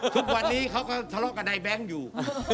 ทุกวันนี้เขาก็ทะเลาะกับนายแบงค์อยู่